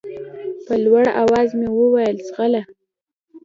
په لوړ اواز مې وويل ځغله.